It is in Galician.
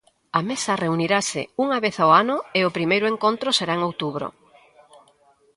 A mesa reunirase unha vez ao ano e o primeiro encontro será en outubro.